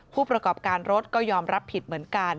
ผู้ประกอบการรถก็ยอมรับผิดเหมือนกัน